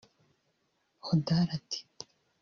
Hodari ati